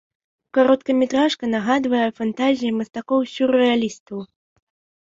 Кароткаметражка нагадвае фантазіі мастакоў-сюррэалістаў.